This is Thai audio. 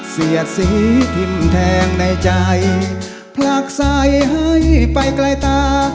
เสียดสีพิมพ์แทงในใจผลักใส่ให้ไปไกลตา